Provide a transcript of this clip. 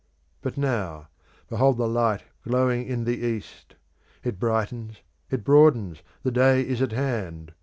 But now, behold the light glowing in the East: it brightens, it broadens, the day is at hand!